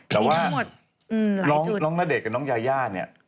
แต่ว่าน้องนาเดตกับน้องยาย่านี่